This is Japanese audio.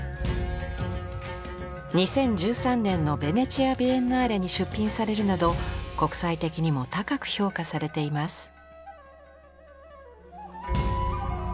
２０１３年のベネチア・ビエンナーレに出品されるなど国際的にも高く評価されています。